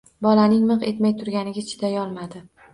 Bolaning miq etmay turganiga chidayolmaydi.